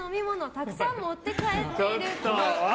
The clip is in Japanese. たくさん持って帰っているっぽい。